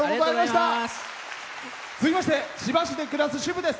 続きまして千葉市で暮らす主婦です。